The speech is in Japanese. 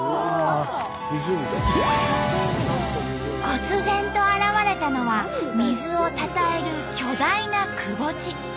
こつ然と現れたのは水をたたえる巨大な窪地。